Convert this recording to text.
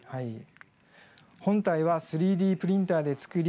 本体は３Ｄプリンターで作り